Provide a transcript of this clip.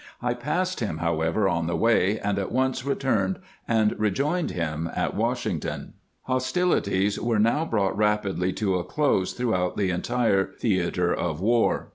I passed him, however, on the way, and at once returned and rejoined him at Washington. Hostilities were now brought rapidly to a close throughout the entire theater of war.